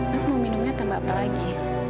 mas mau minumnya tambah apa lagi